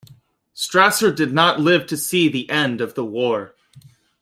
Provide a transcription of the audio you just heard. Strasser did not live to see the end of the war.